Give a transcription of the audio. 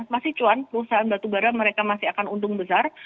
masih cuan perusahaan batubara mereka masih akan untung besar